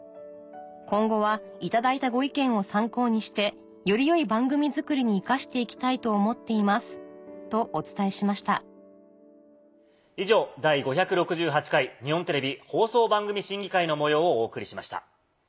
「今後は頂いたご意見を参考にしてより良い番組作りに生かしていきたいと思っています」とお伝えしました以上第５６８回日本テレビ放送番組審議会の模様をお送りしました。